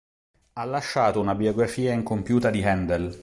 Ha lasciato una biografia incompiuta di Händel.